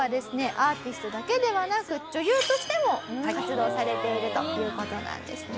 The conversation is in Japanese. アーティストだけではなく女優としても活動されているという事なんですね。